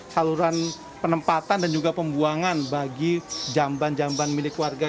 saluran penempatan dan juga pembuangan bagi jamban jamban milik warga